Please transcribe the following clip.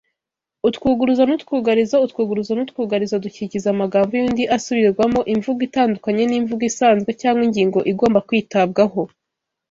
Utwuguruzo n’utwugarizo Utwuguruzo n’utwugarizo dukikiza amagambo y’undi asubirwamo imvugo itandukanye n’imvugo isanzwe cyangwa ingingo igomba kwitabwaho